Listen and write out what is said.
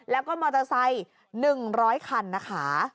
แล้วก็มอเตอร์ไซค์๑๐๐คันนะคะ